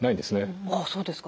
あっそうですか。